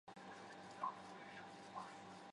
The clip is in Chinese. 各州应邀举行特别会议来商榷是否批准宪法。